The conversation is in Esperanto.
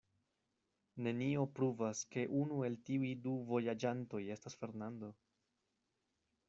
Nenio pruvas, ke unu el tiuj du vojaĝantoj estas Fernando.